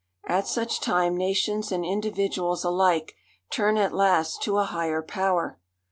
At such time nations and individuals alike turn at last to a Higher Power.